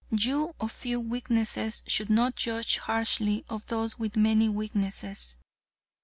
You of few weaknesses should not judge harshly of those with many weaknesses.